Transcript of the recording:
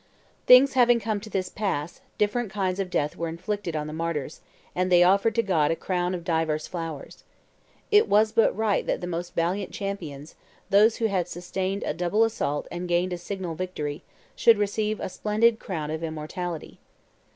... "Things having come to this pass, different kinds of death were inflicted on the martyrs, and they offered to God a crown of divers flowers. It was but right that the most valiant champions, those who had sustained a double assault and gained a signal victory, should receive a splendid crown of immortality.